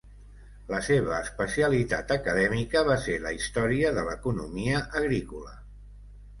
La seva especialitat acadèmica va ser la història de l'economia agrícola.